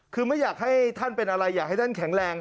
คือไม่อยากให้ท่านเป็นอะไรอยากให้ท่านแข็งแรง